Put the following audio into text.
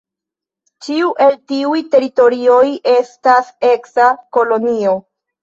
Ĉiu el tiuj teritorioj estas eksa kolonio.